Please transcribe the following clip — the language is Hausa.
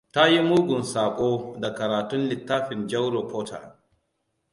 Ta yi mugun sabo da karatun littafan Jauro Potter.